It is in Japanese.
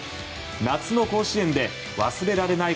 夏の甲子園で忘れられない